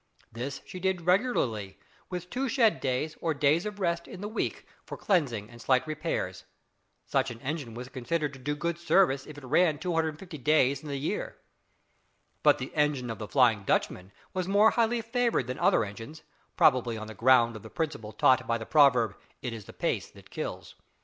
This she did regularly, with two "shed days," or days of rest, in the week for cleansing and slight repairs. Such an engine was considered to do good service if it ran 250 days in the year. But the engine of the "Flying Dutchman" was more highly favoured than other engines probably on the ground of the principle taught by the proverb, "It is the pace that kills."